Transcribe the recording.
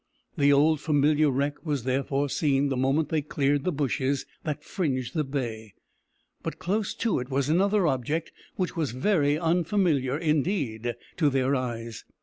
The old familiar wreck was therefore seen the moment they cleared the bushes that fringed the bay, but close to it was another object which was very unfamiliar indeed to their eyes.